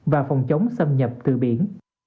và phòng chống xâm nhập từ biển